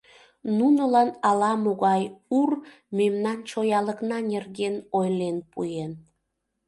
Нунылан ала-могай Ур мемнан чоялыкна нерген ойлен пуэн.